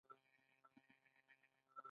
هغوی د سړک پر غاړه د روښانه سرود ننداره وکړه.